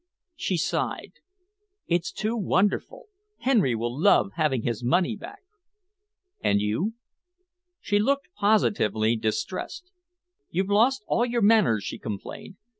She sighed. "It's too wonderful. Henry will love having his money back." "And you?" She looked positively distressed. "You've lost all your manners," she complained.